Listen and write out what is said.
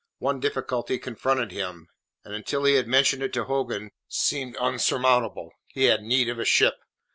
One difficulty confronted him, and until he had mentioned it to Hogan seemed unsurmountable he had need of a ship.